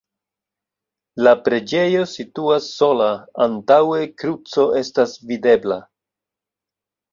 La preĝejo situas sola, antaŭe kruco estas videbla.